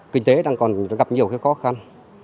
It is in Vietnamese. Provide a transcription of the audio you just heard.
kinh tế đang còn gặp nhiều khó khăn